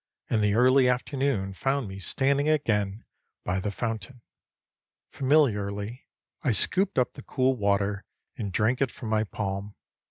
And the early afternoon found me standing again by the fountain. Familiarly I scooped up the cool water and drank it from my palm.